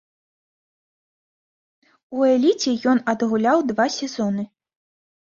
У эліце ён адгуляў два сезоны.